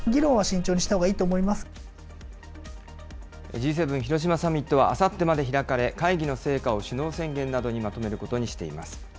Ｇ７広島サミットはあさってまで開かれ、会議の成果を首脳宣言などにまとめることにしています。